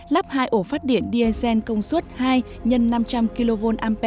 lắp hai ổ phát điện d agen công suất hai x năm trăm linh kv